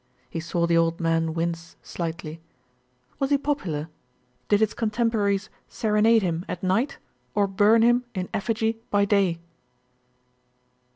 He saw the old man wince slightly. "Was he popular? Did his con temporaries serenade him at night, or burn him in effigy by day?"